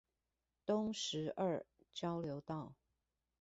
東石二交流道